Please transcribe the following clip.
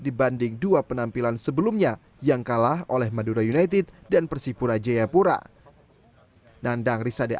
dibanding dua penampilan sebelumnya yang kalah oleh madura united dan persipura jayapura